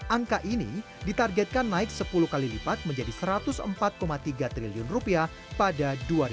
angka ini ditargetkan naik sepuluh kali lipat menjadi satu ratus empat tiga triliun rupiah pada dua ribu dua puluh